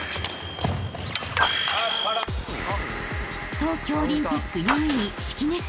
［東京オリンピック４位敷根選手］